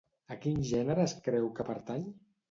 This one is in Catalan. A quin gènere es creu que pertany?